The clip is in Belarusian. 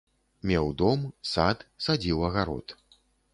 Меў дом, сад, садзіў агарод.